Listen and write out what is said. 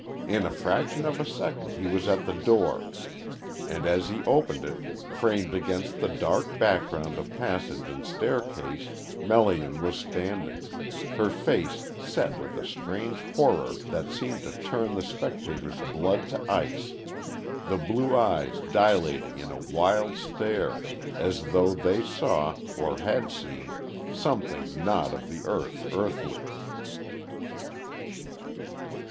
In a fraction of a second he was at the door, and as he opened it, framed against the dark background of passage and staircase, Melian was standing, her face set with a strange horror that seemed to turn the spectator's blood to ice, the blue eyes dilating in a wild stare, as though they saw or had seen something not of the earth earthly.